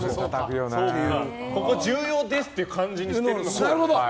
ここ重要です！っていう感じにしてるのかもしれない。